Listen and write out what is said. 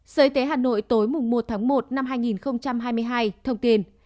sới tế hà nội tối một một hai nghìn hai mươi hai thông tin